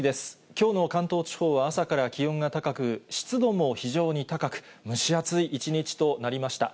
きょうの関東地方は朝から気温が高く、湿度も非常に高く、蒸し暑い一日となりました。